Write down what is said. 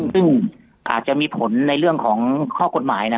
ซึ่งอาจจะมีผลในเรื่องของข้อกฎหมาย